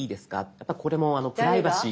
やっぱこれもプライバシー。